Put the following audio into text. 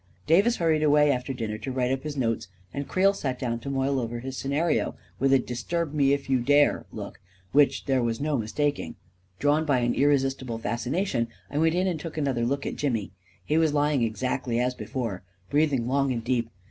Davis hurried away after dinner to write up his notes, and Creel sat down to moil over his scenario with a disturb me if you dare look which there was no mistaking. Drawn by an irresistible fascination, I went in and took another look at Jimmy. He was lying exactly as before, breathing long and deep.